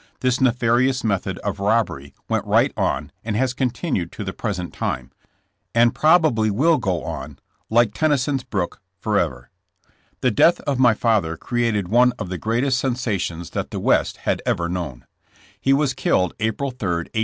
This nefarious method* of robbery went right on and has continued to the present time, and probably will go on, like Tenny son's brook, forever. The death of my father created one of the great OUTLAWED AND HUNTED. 95 est sensations that the West had ever known. He was killed April 3, 1882.